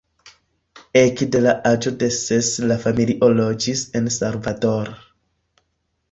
Ekde la aĝo de ses la familio loĝis en Salvador.